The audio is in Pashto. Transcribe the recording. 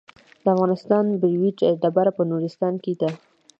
د افغانستان بیروج ډبره په نورستان کې ده